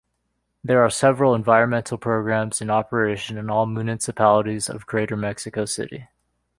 There are several environmental programs in operation in all municipalities of Greater Mexico City.